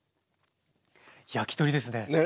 焼き鳥ですね！ね？